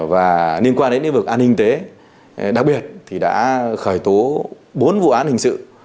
và liên quan đến lĩnh vực an ninh tế đặc biệt thì đã khởi tố bốn vụ án hình sự